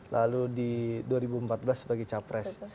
lalu di dua ribu empat belas sebagai capres